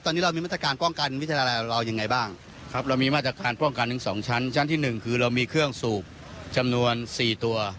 ตอนนี้เรามีมาตรการป้องกันพิจารณาเรายังไงบ้างครับเรามีมาตรการป้องกันทั้งสองชั้นชั้นที่๑คือเรามีเครื่องสูบจำนวน๔ตัว